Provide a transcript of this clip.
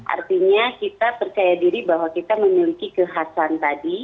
artinya kita percaya diri bahwa kita memiliki kehasan tadi